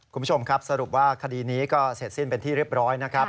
คุณผู้ชมครับสรุปว่าคดีนี้ก็เสร็จสิ้นเป็นที่เรียบร้อยนะครับ